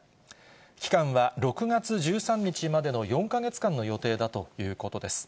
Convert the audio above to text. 期間は６月１３日までの４か月間の予定だということです。